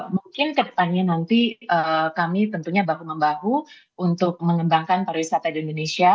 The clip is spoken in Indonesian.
mungkin kedepannya nanti kami tentunya bahu membahu untuk mengembangkan pariwisata di indonesia